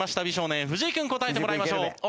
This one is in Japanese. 美少年藤井君答えてもらいましょう。